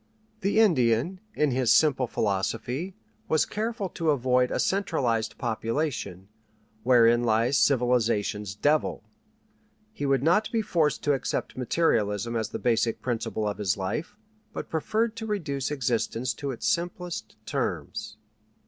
The Indian, in his simple philosophy, was careful to avoid a centralized population, wherein lies civilization's devil. He would not be forced to accept materialism as the basic principle of his life, but preferred to reduce existence to its simplest terms.